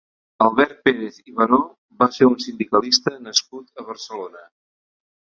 Albert Pérez i Baró va ser un sindicalista nascut a Barcelona.